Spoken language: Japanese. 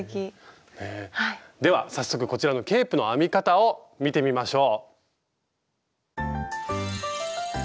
では早速こちらのケープの編み方を見てみましょう。